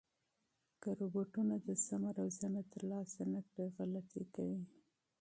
که روبوټونه د سمه روزنه ترلاسه نه کړي، غلطۍ کوي.